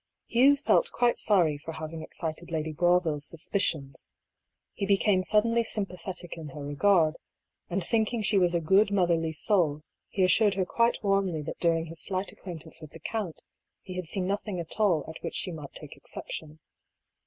Hugh felt quite sorry for having excited Lady Bois ville's suspicions. He became suddenly sympathetic in her regard, and thinking she was a good motherly soul, he assured her quite warmly that during his slight ac quaintance with the count he had seen nothing at all at which she might take exception.